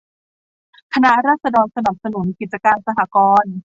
คณะราษฎรสนับสนุนกิจการสหกรณ์